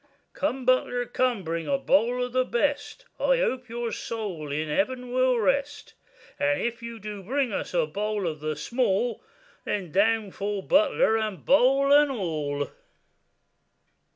Come, butler, come, bring us a bowl of the best; I hope your soul in heaven will rest; But if you do bring us a bowl of the small, Then down fall butler, and bowl and all.